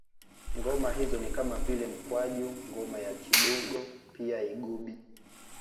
Ngoma hizo ni kama vile mkwaju ngoma ya chidugo pia igubi